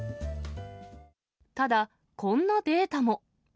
ただ、こんなデータも。